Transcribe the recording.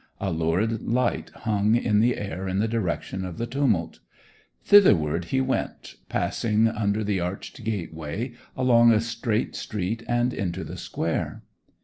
A lurid light hung in the air in the direction of the tumult. Thitherward he went, passing under the arched gateway, along a straight street, and into the square.